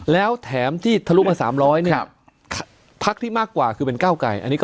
แล้วแถมที่ทะลุมา๓๐๐เนี่ย